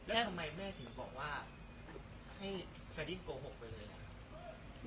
แล้วทำไมแม่ถึงบอกว่าให้สดิ้งโกหกไปเลยครับ